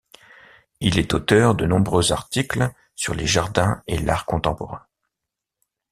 Il est auteur de nombreux articles sur les jardins et l'art contemporain.